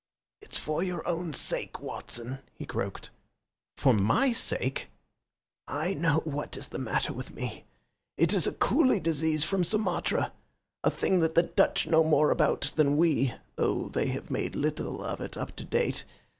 "It's for your own sake, Watson," he croaked. "For MY sake?" "I know what is the matter with me. It is a coolie disease from Sumatra a thing that the Dutch know more about than we, though they have made little of it up to date.